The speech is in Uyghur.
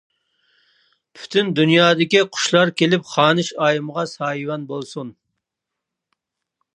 پۈتۈن دۇنيادىكى قۇشلار كېلىپ خانىش ئايىمغا سايىۋەن بولسۇن!